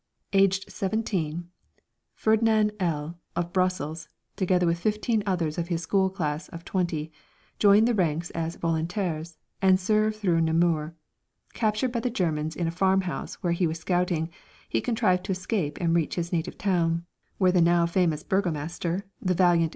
Aged 17, Fernand L , of Brussels, together with fifteen others of his school class of twenty, joined the ranks as volontaires and served through Namur. Captured by the Germans in a farmhouse where he was scouting, he contrived to escape and reach his native town, where the now famous burgomaster, the valiant M.